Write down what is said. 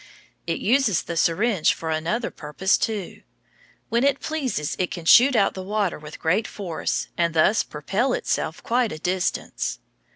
It uses the syringe for another purpose too. When it pleases it can shoot out the water with great force, and thus propel itself quite a distance.